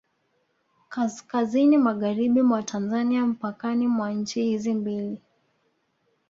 Kaskazini magharibi mwa Tanzania mpakani mwa nchi hizi mbili